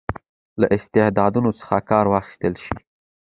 له استعدادونو څخه کار واخیستل شي.